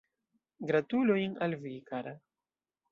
Gratulojn al vi kara.